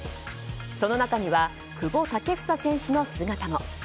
その中には久保建英選手の姿も。